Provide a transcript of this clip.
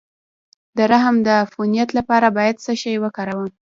د رحم د عفونت لپاره باید څه شی وکاروم؟